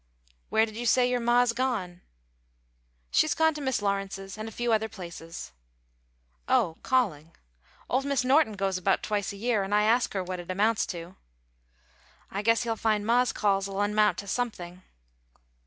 "Where did you say your ma had gone?" "She's gone to Mis' Lawrence's, and a few other places." "Oh, calling. Old Mis' Norton goes about twice a year, and I ask her what it amounts to." "I guess you'll find ma's calls'll amount to something."